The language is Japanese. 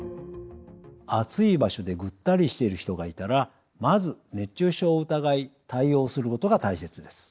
暑い場所でぐったりしている人がいたらまず熱中症を疑い対応することが大切です。